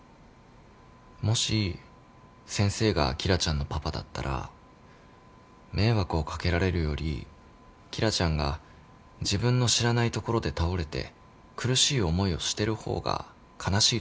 もし先生が紀來ちゃんのパパだったら迷惑をかけられるより紀來ちゃんが自分の知らない所で倒れて苦しい思いをしてる方が悲しいと思うんだよ。